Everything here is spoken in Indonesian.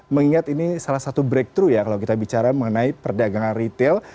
mengingat ini salah satu breakthrough kalau kita bicara mengenai perdagangan retail